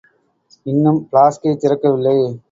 இன்னும் பிளாஸ்கை திறக்கவில்லை.